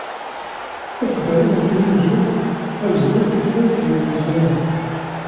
Tasdawit n Tizi Uzzu, agezdu n tutlayt d yidles amaziɣ.